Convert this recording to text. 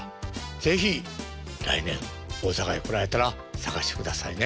是非来年大阪へ来られたら探してくださいね。